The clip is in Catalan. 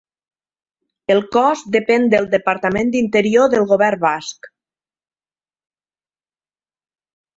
El cos depèn del Departament d'Interior del Govern Basc.